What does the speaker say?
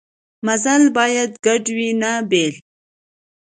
مزال باید ګډ وي نه بېل.